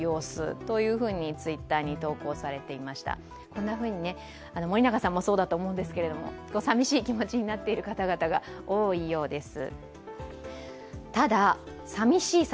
こんなふうに、森永さんもそうだと思うんですけどさみしい気持ちになっている方々が多いようです。